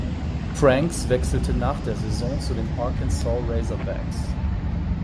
Franks wechselte nach der Saison zu den Arkansas Razorbacks.